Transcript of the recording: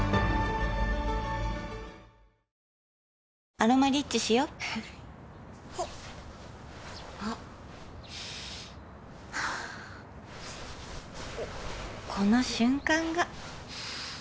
「アロマリッチ」しよこの瞬間が